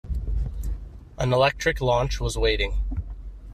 An electric launch was waiting.